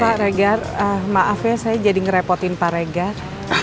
pak regar maaf ya saya jadi ngerepotin pak regar